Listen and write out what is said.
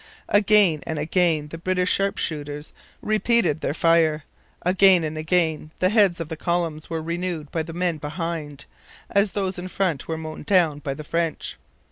Again and again the British sharpshooters repeated their fire; again and again the heads of the columns were renewed by the men behind, as those in front were mown down by the French.